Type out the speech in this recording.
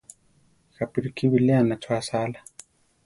Jápi ríke biléana cho asála.